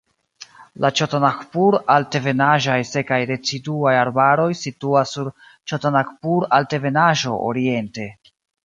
La ĉotanagpur-altebenaĵaj sekaj deciduaj arbaroj situas sur Ĉotanagpur-Altebenaĵo oriente.